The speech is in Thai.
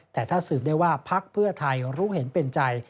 แต่ถ้าสืบได้ว่าพักเพื่อไทยรู้เห็นเป็นใจ